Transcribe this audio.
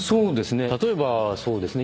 例えばそうですね。